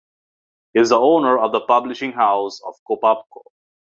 He is the owner of the publishing house KoPubCo.